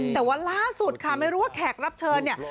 แต่ว่าล่าสุดค่ะไม่รู้ว่าแขกรับเชิญเนี่ย